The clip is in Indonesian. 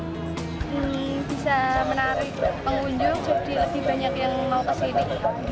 bisa menarik pengunjung jadi lebih banyak yang mau ke sini